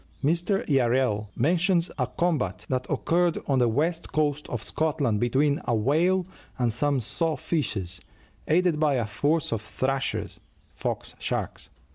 Mr. Yarrel mentions a combat that occurred on the west coast of Scotland between a whale and some saw fishes, aided by a force of "thrashers" (fox sharks).